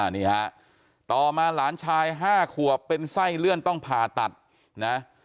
นี่ฮะต่อมาหลานชาย๕ขวบเป็นไส้เลื่อนต้องผ่าตัดนะ